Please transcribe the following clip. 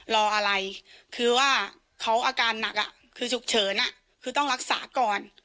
รออะไรคือว่าเขาอาการหนักคือฉุกเฉินคือต้องรักษาก่อน